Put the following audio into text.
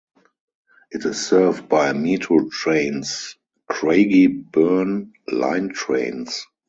It is served by Metro Trains' Craigieburn line trains.